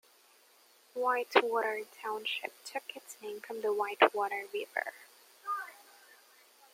Whitewater Township took its name from the Whitewater River.